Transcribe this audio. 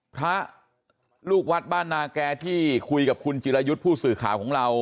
พระลูกวัดบ้านนาแก่ที่คุยกับคุณจิรายุทธ์ผู้สื่อข่าวของเรา